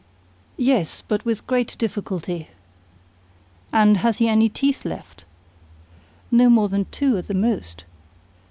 "Yes, but with great difficulty." "And has he any teeth left?" "No more than two at the most."